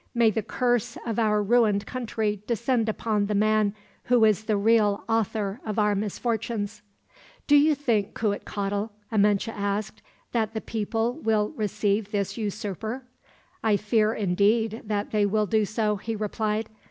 May the curse of our ruined country descend upon the man who is the real author of our misfortunes!" "Do you think, Cuitcatl," Amenche asked, "that the people will receive this usurper?" "I fear, indeed, that they will do so," he replied.